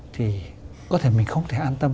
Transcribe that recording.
thì có thể mình không thể an tâm